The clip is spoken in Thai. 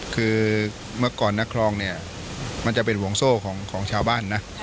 คือเมื่อก่อนนักคลองเนี่ยมันจะเป็นห่วงโซ่ของชาวบ้านนะ